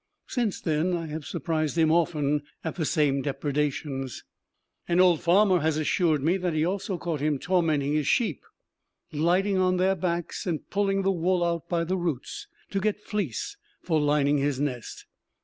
Since then I have surprised him often at the same depredations. An old farmer has assured me that he has also caught him tormenting his sheep, lighting on their backs and pulling the wool out by the roots to get fleece for lining his nest.